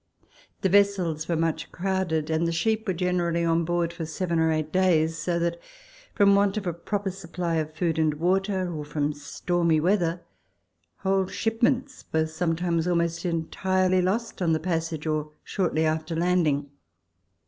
The vessels were much crowded, and the sheep were generally on board for seven or eight days, so that from want of a proper supply of food and water, or from stormy weather, whole ship ments were sometimes almost entirely lost on the passage or shortly after landing.